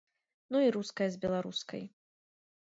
Ну і руская з беларускай.